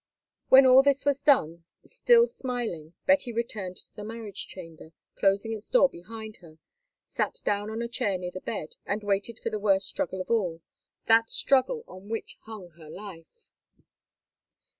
When all this was done, still smiling, Betty returned to the marriage chamber, closing its door behind her, sat her down on a chair near the bed, and waited for the worst struggle of all—that struggle on which hung her life.